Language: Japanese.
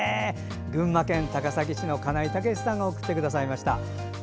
群馬県高崎市の金井猛さんが送ってくださいました。